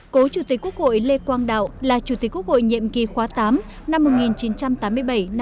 cố chủ tịch quốc hội lê quang đạo là chủ tịch quốc hội nhiệm kỳ khóa tám năm một nghìn chín trăm tám mươi bảy một nghìn chín trăm chín mươi hai